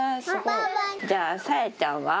じゃあ、さやちゃんは？